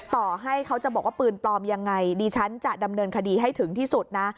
ต่อให้เขาจะบอกว่าปืนปลอมยังไงดิฉันจะดำเนินคดีให้ถึงที่สุดนะ